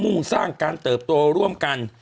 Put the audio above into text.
่งสร้างการเติบโตร่วมกัน